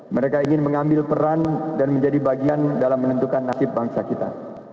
mereka ingin mengambil peran dan menjadi bagian dalam menentukan nasib bangsa kita